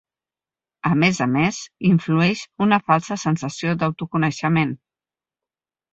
A més a més, influeix una falsa sensació d'autoconeixement.